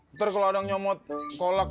ntar kalau ada nyomot kolak